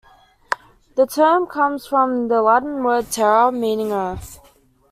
The term comes from the Latin word "terra", meaning "earth".